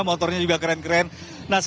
motornya juga keren keren